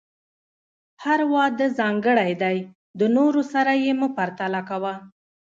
هر واده ځانګړی دی، د نورو سره یې مه پرتله کوه.